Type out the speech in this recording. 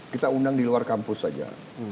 kita undang di luar kampus saja